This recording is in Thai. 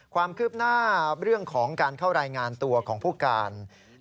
ความคืบหน้าเรื่องของการเข้ารายงานตัวของผู้การ